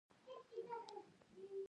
ما د نوښت په مجله کې سنګر نیولی وو.